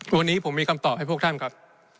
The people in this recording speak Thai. วันนี้ผมมีคำตอบให้พวกท่านครับ